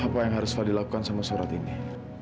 apa yang harus fadi lakukan sama surat ini